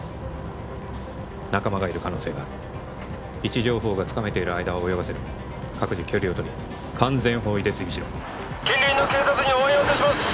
仲間がいる可能性がある位置情報がつかめている間は泳がせる各自距離を取り完全包囲で追尾しろ近隣の警察に応援を要請します